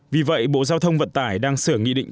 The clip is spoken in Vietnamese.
vì vậy bộ giao thông vận tải đang sửa nghị định tám mươi sáu